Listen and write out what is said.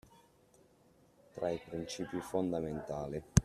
Tra i principi fondamentali.